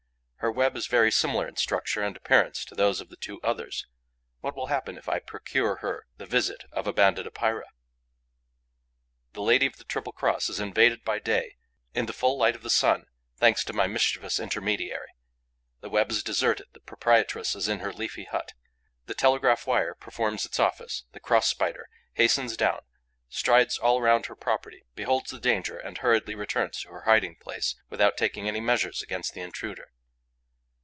Her web is very similar in structure and appearance to those of the two others. What will happen if I procure her the visit of a Banded Epeira? The lady of the triple cross is invaded by day, in the full light of the sun, thanks to my mischievous intermediary. The web is deserted; the proprietress is in her leafy hut. The telegraph wire performs its office; the Cross Spider hastens down, strides all round her property, beholds the danger and hurriedly returns to her hiding place, without taking any measures against the intruder.